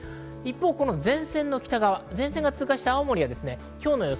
前線の北側、前線が通過した青森は予想